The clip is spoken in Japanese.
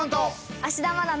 芦田愛菜の。